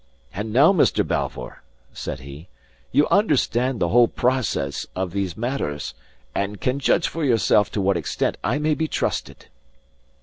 And now, Mr. Balfour," said he, "you understand the whole process of these matters, and can judge for yourself to what extent I may be trusted."